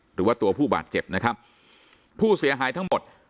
หรือว่าตัวผู้บาดเจ็บนะครับผู้เสียหายทั้งหมด